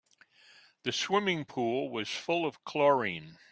The swimming pool was full of chlorine.